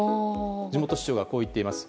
地元市長はこう言っています。